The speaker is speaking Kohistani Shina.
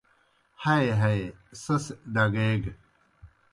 ہئی ہئی سیْس ڈگیگہ۔